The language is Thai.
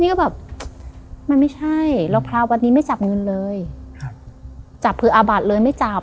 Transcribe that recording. ก็แบบมันไม่ใช่แล้วพระวัดนี้ไม่จับเงินเลยครับจับเผื่ออาบัติเลยไม่จับ